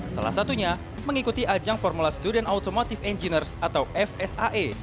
salah satunya mengikuti ajang formula student automotive engineers atau fsae